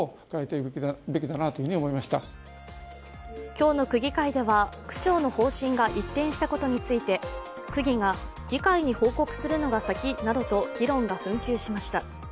今日の区議会では、区長の方針が一転したことについて、区議が議会に報告するのが先などと議論が紛糾しました。